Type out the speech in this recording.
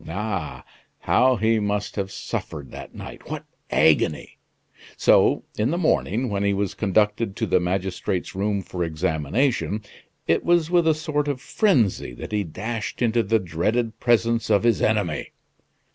Ah! how he must have suffered that night! What agony! So, in the morning, when he was conducted to the magistrate's room for examination, it was with a sort of frenzy that he dashed into the dreaded presence of his enemy.